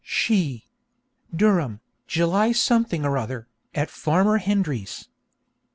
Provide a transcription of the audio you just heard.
_ She Durham, July something or other, At Farmer Hendry's.